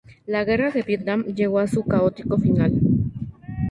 La guerra de Vietnam llega a su caótico final.